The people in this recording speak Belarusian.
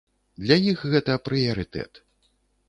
Для іх гэта прыярытэт.